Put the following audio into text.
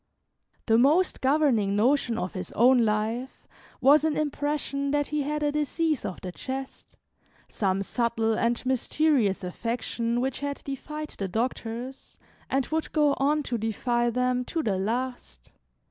The most governing notion of his own life was an impression that he had a disease of the chest, some subtle and mysterious affection which had defied the doctors, and would go on to defy them to the last.